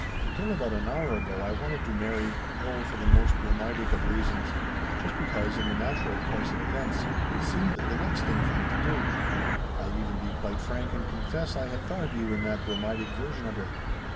"Until about an hour ago I wanted to marry oh for the most bromidic of reasons. Just because, in the natural course of events, it seemed the next thing for me to do. I'll even be quite frank and confess I had thought of you in that bromidic version of it.